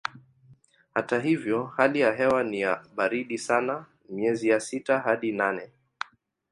Hata hivyo hali ya hewa ni ya baridi sana miezi ya sita hadi nane.